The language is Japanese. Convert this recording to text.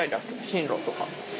進路とか。